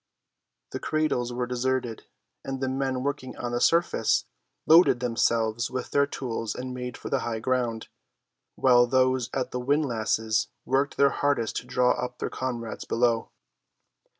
The cradles were deserted, and the men working on the surface loaded themselves with their tools and made for the high ground, while those at the windlasses worked their hardest to draw up their comrades below.